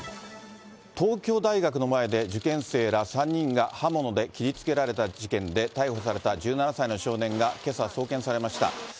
東京大学の前で、受験生ら３人が刃物で切りつけられた事件で、逮捕された１７歳の少年がけさ送検されました。